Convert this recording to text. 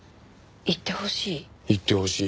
言ってほしい？